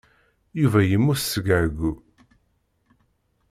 Yuba yemmut seg ɛeyyu.